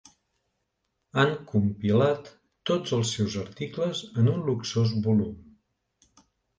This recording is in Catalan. Han compilat tots els seus articles en un luxós volum.